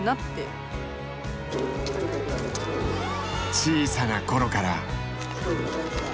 小さな頃から。